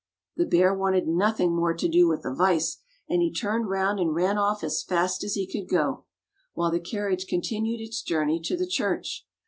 The bear wanted nothing more to do with a vise, and he turned round and ran off as fast as he could go, while the carriage con tinued its journey to the church.